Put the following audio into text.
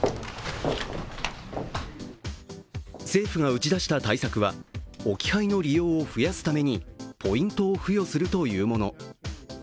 政府が打ち出した対策は置き配の利用を増やすためにポイントを付与するというもの。